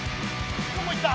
どこ行った？